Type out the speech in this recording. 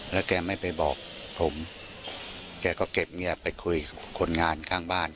แล้วแกไม่ไปบอกผมแกก็เก็บเงียบไปคุยกับคนงานข้างบ้าน